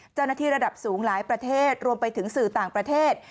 เจ้าหน้าที่ระดับสูงหลายประเทศรวมไปถึงสื่อต่างประเทศ